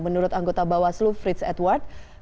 menurut anggota bawaslu frits edward